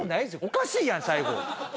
おかしいやん最後。